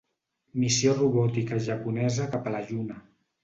Missió robòtica japonesa cap a la Lluna.